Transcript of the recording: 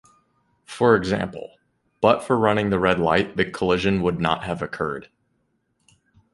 For example, but for running the red light, the collision would not have occurred.